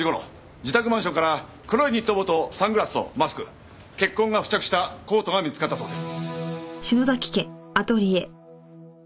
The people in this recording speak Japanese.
自宅マンションから黒いニット帽とサングラスとマスク血痕が付着したコートが見付かったそうです。